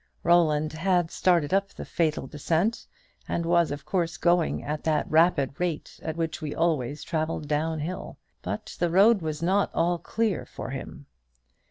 Roland had started upon the fatal descent, and was of course going at that rapid rate at which we always travel downhill; but the road was not all clear for him.